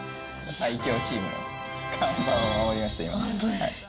最強チームの看板を守りました、今。